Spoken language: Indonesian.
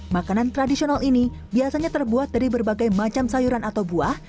makanan tradisional ini biasanya terbuat dari berbagai macam sayuran atau buah